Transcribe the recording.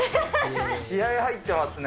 気合いが入ってますね。